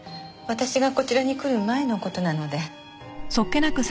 私がこちらに来る前の事なので。